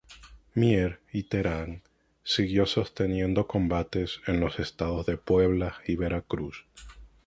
Mier y Terán siguió sosteniendo combates en los estados de Puebla y Veracruz.